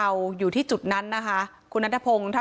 มาดูบรรจากาศมาดูความเคลื่อนไหวที่บริเวณหน้าสูตรการค้า